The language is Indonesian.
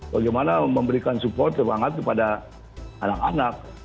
bagaimana memberikan support semangat kepada anak anak